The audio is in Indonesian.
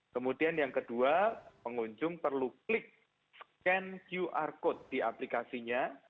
kemudian yang kedua pengunjung perlu klik scan qr code di aplikasinya